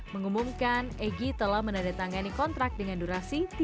mengumumkan egy telah menandatangani kontrak dengan durasi tiga tahun